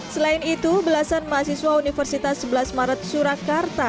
selain itu belasan mahasiswa universitas sebelas maret surakarta